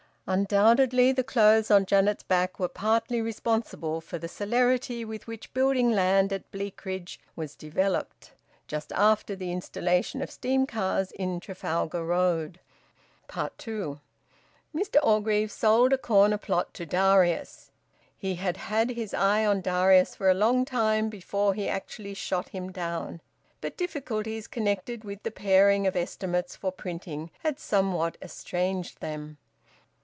Undoubtedly the clothes on Janet's back were partly responsible for the celerity with which building land at Bleakridge was `developed,' just after the installation of steam cars in Trafalgar Road. TWO. Mr Orgreave sold a corner plot to Darius. He had had his eye on Darius for a long time before he actually shot him down; but difficulties connected with the paring of estimates for printing had somewhat estranged them.